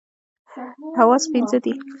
حواس پنځه دي.